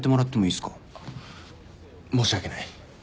あっ申し訳ない。